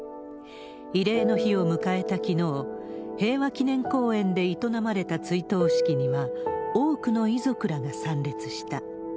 慰霊の日を迎えたきのう、平和祈念公園で営まれた追悼式には、多くの遺族らが参列した。